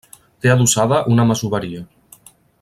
Té adossada una masoveria.